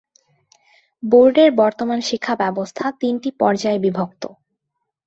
বোর্ডের বর্তমান শিক্ষা ব্যবস্থা তিনটি পর্যায়ে বিভক্ত।